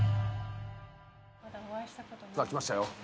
さあきましたよ。